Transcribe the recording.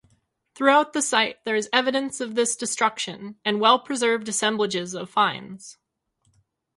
Throughout the site there is evidence of this destruction, and well-preserved assemblages of finds.